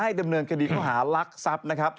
ให้ดำเนินคณิตข้อหารักษัพย์นะครับ